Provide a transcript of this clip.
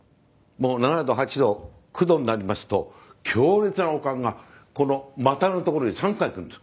もう３７度３８度３９度になりますと強烈な悪寒がこの股の所に３回くるんです。